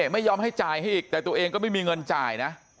ไม่ยอมให้จ่ายให้อีกแต่ตัวเองก็ไม่มีเงินจ่ายนะ